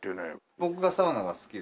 僕がサウナが好きで。